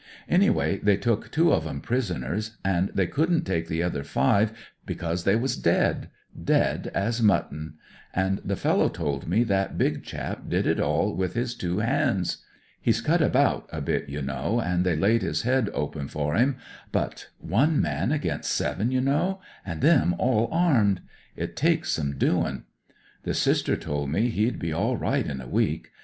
Anyway, they took two of 'em prisoners, an' they couldn't take the other five because they was dead — dead as mutton. And the fellow told me that big chap did it all L 188 AUSTRALIAN AS A FIGHTER with his two hands. He's cut about a bit, you know, and they laid his head open for him, but — one man against seven, you know, an' them all armed ! It takes some doin'. The Sister tol' me he'd be all right in a week.